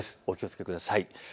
お気をつけください。